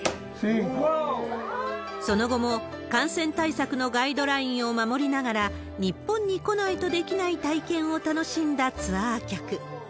その後も感染対策のガイドラインを守りながら、日本に来ないとできない体験を楽しんだツアー客。